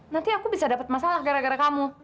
nanti aku bisa dapat masalah gara gara kamu